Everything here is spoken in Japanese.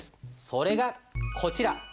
それがこちら。